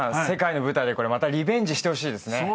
世界の舞台でまたリベンジしてほしいですね。